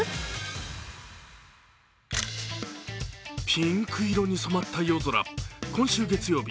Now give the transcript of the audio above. ピンク色に染まった夜空今週月曜日